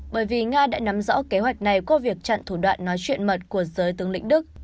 bởi vì nga đã nắm rõ kế hoạch này qua việc chặn thủ đoạn nói chuyện mật của giới tướng lĩnh đức